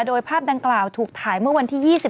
โดยภาพดังกล่าวถูกถ่ายเมื่อวันที่๒๓